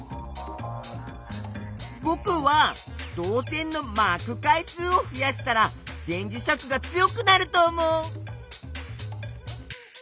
ぼくは導線の「まく回数」をふやしたら電磁石が強くなると思う！